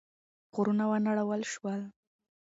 غرونه ونړول شول.